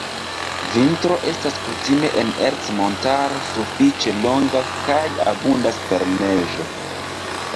Vintro estas kutime en Ercmontaro sufiĉe longa kaj abundas per neĝo.